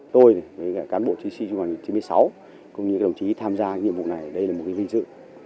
tôi cán bộ chí sĩ trung đoàn chín một mươi sáu cũng như các đồng chí tham gia nhiệm vụ này đây là một cái linh dự